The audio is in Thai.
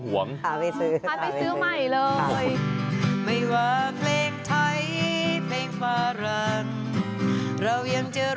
หาไปซื้อใหม่เลย